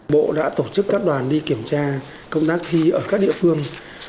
bộ đã tổ chức các đoàn đi kiểm tra công tác thi ở các địa phương